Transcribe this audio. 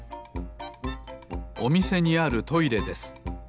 おみせにあるトイレです。